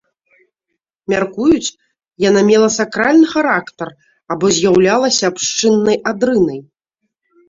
Мяркуюць, яна мела сакральны характар або з'яўлялася абшчыннай адрынай.